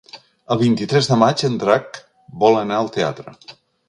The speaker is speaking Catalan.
El vint-i-tres de maig en Drac vol anar al teatre.